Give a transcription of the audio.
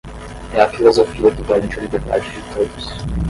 É a filosofia que garante a liberdade de todos.